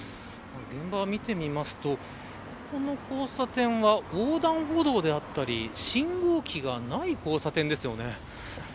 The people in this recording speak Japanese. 現場を見てみますとここの交差点は横断歩道であったり信号機がない交差点ですよね。